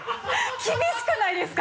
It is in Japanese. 厳しくないですか？